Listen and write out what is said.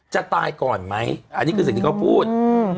จะตายก่อนไหมอันนี้คือสิ่งที่เขาพูดอืม